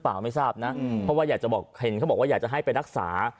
ไม่ทราบนะเพราะว่าอยากจะบอกเห็นเขาบอกว่าอยากจะให้ไปรักษา